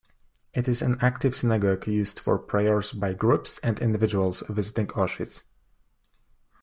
It is an active synagogue used for prayers by groups and individuals visiting Auschwitz.